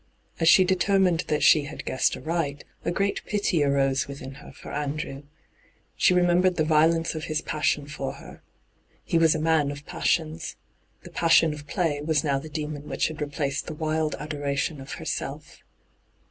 As she determined that she had guessed aright, a great pity ■ arose within her for Andrew. She remembered the violence of his passion for her. He was a man of passions. The passion of play was now the demon which had replaced the wild adoration of herself.